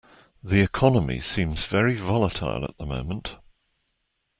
The economy seems very volatile at the moment.